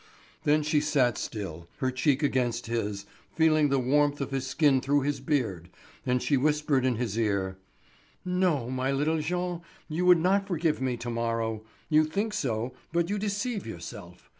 Then she sat still, her cheek against his, feeling the warmth of his skin through his beard, and she whispered in his ear: "No, my little Jean, you would not forgive me to morrow. You think so, but you deceive yourself.